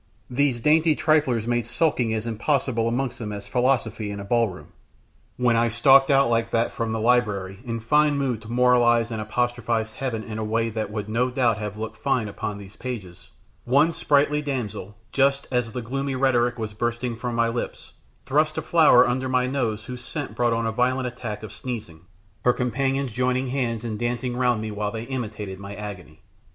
These dainty triflers made sulking as impossible amongst them as philosophy in a ballroom. When I stalked out like that from the library in fine mood to moralise and apostrophise heaven in a way that would no doubt have looked fine upon these pages, one sprightly damsel, just as the gloomy rhetoric was bursting from my lips, thrust a flower under my nose whose scent brought on a violent attack of sneezing, her companions joining hands and dancing round me while they imitated my agony.